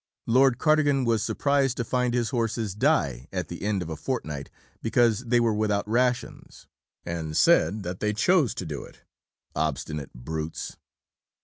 Lord Cardigan was surprised to find his horses die at the end of a fortnight because they were without rations, and said that they "chose" to do it, obstinate brutes!